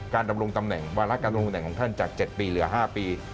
ดำรงตำแหน่งวาระการลงตำแหน่งของท่านจาก๗ปีเหลือ๕ปี